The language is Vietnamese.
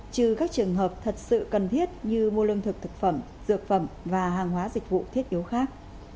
trừ các trường hợp thật sự cần thiết như mua lương thực thực phẩm dược phẩm và hàng hóa dịch vụ thiết yếu khác